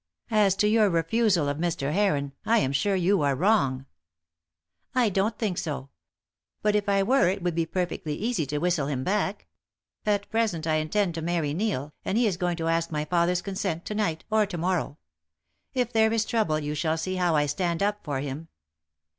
As to your refusal of Mr. Heron, I am sure you are wrong." "I don't think so. But if I were it would be perfectly easy to whistle him back. At present I intend to marry Neil, and he is going to ask my father's consent to night, or to morrow. If there is trouble you shall see how I stand up for him.